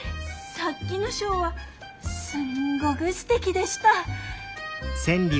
さっきのショウはすんごく素敵でした。